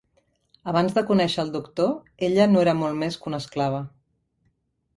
Abans de conèixer al Doctor, ella no era molt més que una esclava.